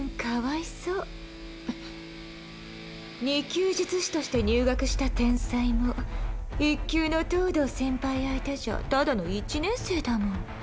２級術師として入学した天才も１級の東堂先輩相手じゃただの一年生だもん。